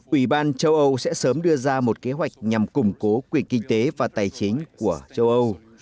ủy ban châu âu sẽ sớm đưa ra một kế hoạch nhằm củng cố quyền kinh tế và tài chính của châu âu